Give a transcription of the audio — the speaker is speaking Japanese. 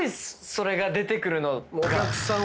それが出てくるのが。